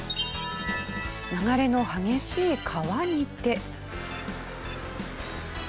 流れの激しい川にて。